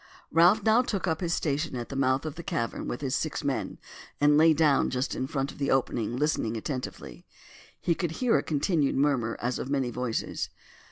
Ralph now took up his station at the mouth of the cavern with his six men, and lay down just in front of the opening listening attentively. He could hear a continued murmur as of many voices.